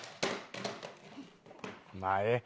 まあええ。